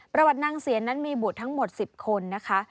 ประวัตินางเสียนนั้นมีบุตรทั้งหมด๑๐คนนะคะ